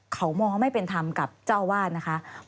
เขามองไม่เป็นธรรมกับเจ้าอาวาสนะคะ